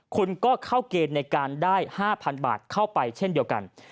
คุณก็เข้าเกณฑ์ในการได้๕๐๐๐บาทเข้าไปเช่นเดียวกัน